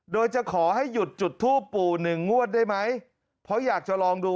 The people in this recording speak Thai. โดยจะขอให้หยุดจุดทูปปู่หนึ่งงวดได้ไหมเพราะอยากจะลองดู